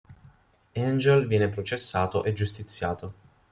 Angel viene processato e giustiziato.